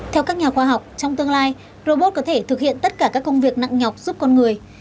theo các nhà khoa học trong tương lai robot có thể thực hiện tất cả các công việc nặng nhọc giúp con người